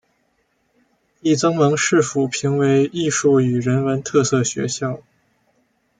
亦曾蒙市府评为艺术与人文特色学校。